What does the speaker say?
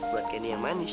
buat candy yang manis